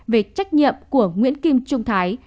về trách nhiệm của nguyễn kim trung thái